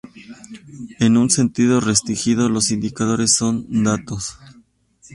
En un sentido restringido, los indicadores son datos.